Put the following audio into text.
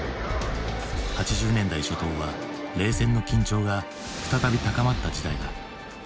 ８０年代初頭は冷戦の緊張が再び高まった時代だ。